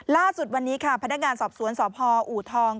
ล่าสุดวันนี้ค่ะพนักงานสอบสวนสพอูทอง